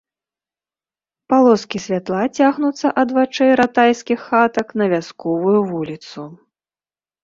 Палоскі святла цягнуцца ад вачэй ратайскіх хатак на вясковую вуліцу.